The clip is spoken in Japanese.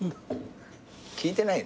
聞いてない。